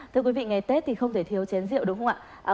thưa quý vị ngày tết thì không thể thiếu chén rượu đúng không ạ